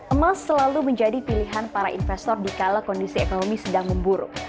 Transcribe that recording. emas selalu menjadi pilihan para investor dikala kondisi ekonomi sedang memburuk